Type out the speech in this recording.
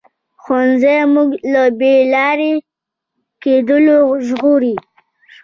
ښوونځی موږ له بې لارې کېدو ژغوري